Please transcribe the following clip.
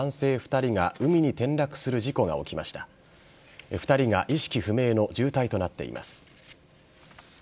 ２人が意識不明の重体となっています。